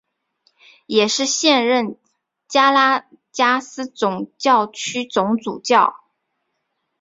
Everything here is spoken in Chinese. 也是现任加拉加斯总教区总主教。